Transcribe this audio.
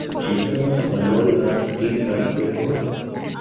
Ĝi havas mallongan dikan bekon.